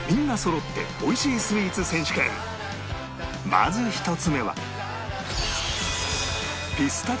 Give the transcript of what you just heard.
まず１つ目は